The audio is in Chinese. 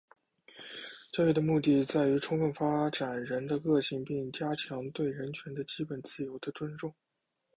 教育的目的在于充分发展人的个性并加强对人权和基本自由的尊重。